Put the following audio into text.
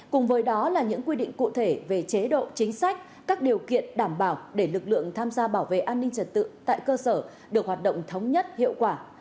cùng với đó là những quy định cụ thể về chế độ chính sách các điều kiện đảm bảo để lực lượng tham gia bảo vệ an ninh trật tự tại cơ sở được hoạt động thống nhất hiệu quả